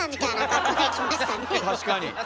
確かに。